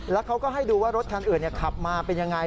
แล้วเขาก็ให้ดูว่ารถคันอื่นขับมาเป็นยังไง